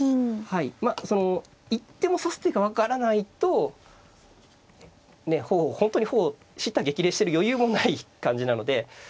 はいまあ一手も指す手が分からないと本当に頬叱咤激励してる余裕もない感じなので。